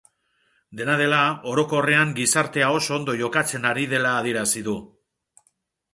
Dena dela, orokorrean gizartea oso ondo jokatzen ari dela adierazi du.